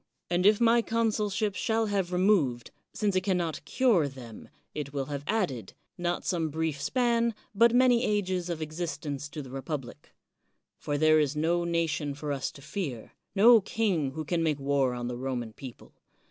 And if my consulship shall have removed, since it can not cure them, it will have added, not some brief span, but many ages of existence to the republic. For there is no nation for us to fear, — ^no king who can make war on the Roman people.